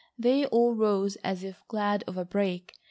They all rose as if glad of a break.